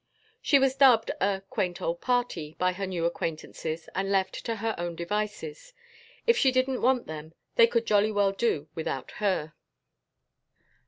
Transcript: She was dubbed a "quaint old party" by her new acquaintances and left to her own devices. If she didn't want them they could jolly well do without her.